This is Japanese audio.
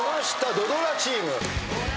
土ドラチーム。